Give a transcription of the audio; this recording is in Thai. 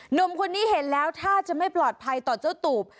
หนุ่มคนนี้เห็นแล้วท่าจะไม่ปลอดภัยต่อเจ้าตูบ